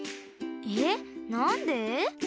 えっなんで？